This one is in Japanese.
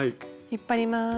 引っ張ります。